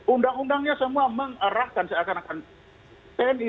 undang undangnya semua mengarahkan seakan akan tni